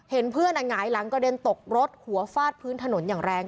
เห็นเพื่อนหงายหลังกระเด็นตกรถหัวฟาดพื้นถนนอย่างแรง